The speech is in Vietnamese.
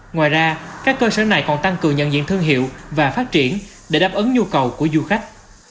ngoài ra các cơ sở này còn tăng cường nhận diện thương hiệu và phát triển để đáp ứng nhu cầu của du khách